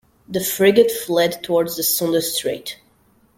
The frigate fled towards the Sunda Strait.